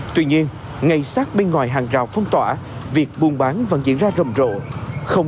tuy nhiên ngay sát bên ngoài hàng rào phong tỏa việc buôn bán vẫn diễn ra rầm rộ